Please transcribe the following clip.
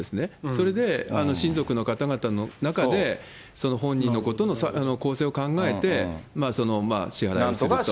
それで、親族の方々の中で、本人のことの更生を考えて、支払いをすると。